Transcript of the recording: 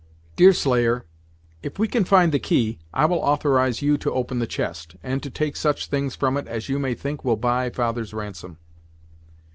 "Deerslayer, if we can find the key, I will authorize you to open the chest, and to take such things from it as you may think will buy father's ransom."